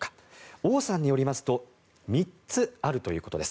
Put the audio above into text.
オウさんによりますと３つあるということです。